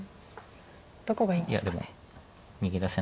どこがいいんですかね。